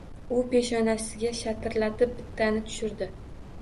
U peshonasiga shatirlatib bittani tushirdi.